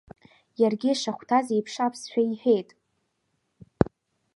Иаргьы ишахәҭаз еиԥш аԥсшәа иҳәеит.